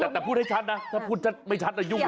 แต่ถ้าพูดให้ชัดนะถ้าพูดไม่ชัดจะยุ่งเลย